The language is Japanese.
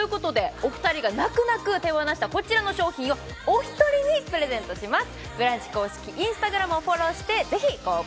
お二人がなくなく手放したこちらの商品をお１人にプレゼントします。